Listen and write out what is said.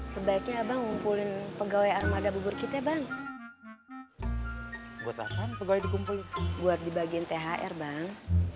sebaiknya bang ngumpulin pegawai armada bubur kita bang buat dibagiin thr bang